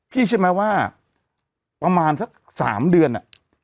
พี่เชื่อมั้ยว่าประมาณสัก๓เดือนอะ